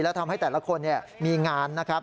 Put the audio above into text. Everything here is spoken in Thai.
และทำให้แต่ละคนมีงานนะครับ